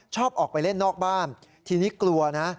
ชอบออกไปเล่นนอกบ้าน